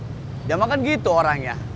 jangan makan gitu orangnya